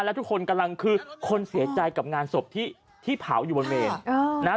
และทุกคนกำลังคือคนเสียใจกับงานศพที่เผาอยู่บนเมนนะฮะ